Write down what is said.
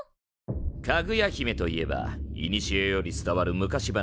「かぐや姫」といえばいにしえより伝わる昔話。